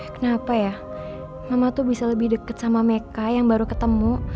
kenapa ya mama tuh bisa lebih dekat sama meka yang baru ketemu